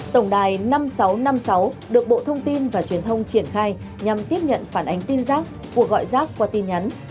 tổng đài năm nghìn sáu trăm năm mươi sáu được bộ thông tin và truyền thông triển khai nhằm tiếp nhận phản ánh tin rác cuộc gọi rác qua tin nhắn